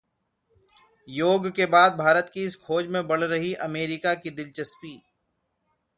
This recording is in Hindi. योग के बाद भारत की इस खोज में बढ़ रही अमेरिका की दिलचस्पी